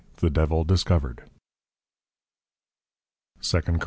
THE DEVIL DISCOVERED. 2 Cor.